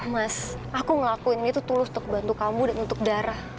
mas aku ngelakuin ini tuh tulus untuk bantu kamu dan untuk darah